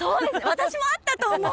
私も合ったと思う。